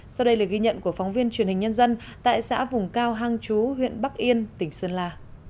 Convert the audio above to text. sau đây là ghi nhận của phóng viên truyền hình nhân dân tại xã vùng cao hang chú huyện bắc yên tỉnh sơn la